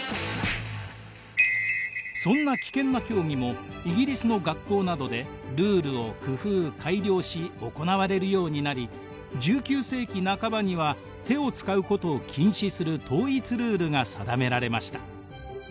そんな危険な競技もイギリスの学校などでルールを工夫改良し行われるようになり１９世紀半ばには手を使うことを禁止する統一ルールが定められました。